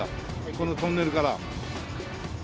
このトンネルから。